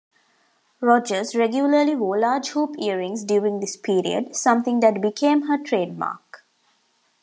Rogers regularly wore large hoop earrings during this period, something that became her trademark.